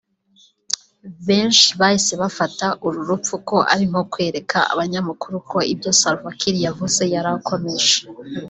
Benshi bahise bafata uru rupfu ko ari nko kwereka abanyamakuru ko ibyo Salva Kiir yavuze yari akomeje